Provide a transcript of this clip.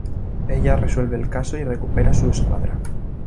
Ella resuelve el caso y recupera su escuadra.